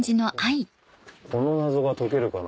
「この謎が解けるかな？